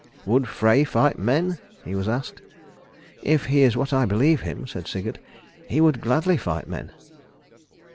"Would Frey fight men?" he was asked. "If he is what I believe him," said Sigurd, "he would gladly fight men."